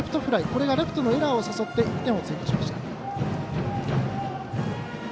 これがレフトのエラーを誘って１点を追加しました。